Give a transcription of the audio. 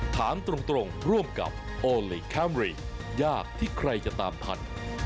ถามตรงร่วมกับโอลี่คัมรี่ยากที่ใครจะตามทัน